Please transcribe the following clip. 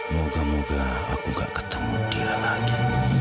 moga moga aku gak ketemu dia lagi